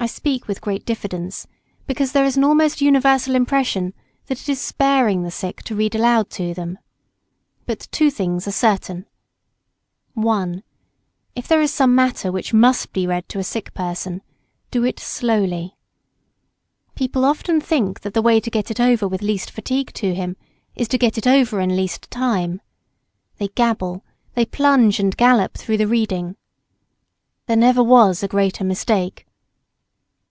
I speak with great diffidence; because there is an almost universal impression that it is sparing the sick to read aloud to them. But two things are certain: [Sidenote: Read aloud slowly, distinctly, and steadily to the sick.] (1.) If there is some matter which must be read to a sick person, do it slowly. People often think that the way to get it over with least fatigue to him is to get it over in least time. They gabble; they plunge and gallop through the reading. There never was a greater mistake.